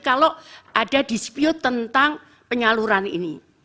kalau ada dispute tentang penyaluran ini